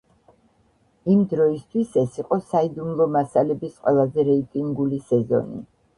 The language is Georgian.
იმ დროისთვის ეს იყო „საიდუმლო მასალების“ ყველაზე რეიტინგული სეზონი.